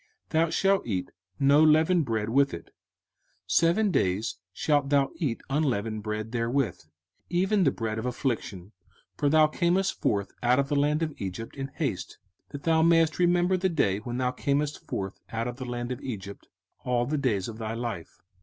05:016:003 Thou shalt eat no leavened bread with it; seven days shalt thou eat unleavened bread therewith, even the bread of affliction; for thou camest forth out of the land of Egypt in haste: that thou mayest remember the day when thou camest forth out of the land of Egypt all the days of thy life.